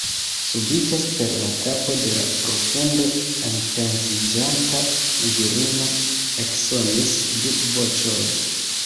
Subite super la kapo de la profunde enpensiĝanta virino eksonis du voĉoj.